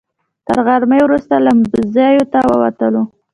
تر غرمې وروسته لمباځیو ته ووتلو.